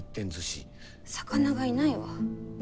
魚がいないわ。